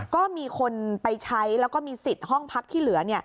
ก็มีคนไปใช้แล้วก็มีสิทธิ์ห้องพักที่เหลือ